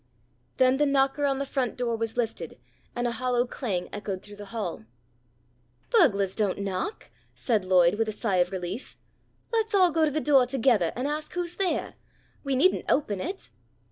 Then the knocker on the front door was lifted and a hollow clang echoed through the hall. "Burglars don't knock," said Lloyd with a sigh of relief. "Let's all go to the doah togethah and ask who's there. We needn't open it."